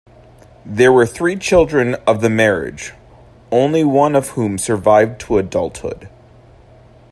There were three children of the marriage, only one of whom survived to adulthood.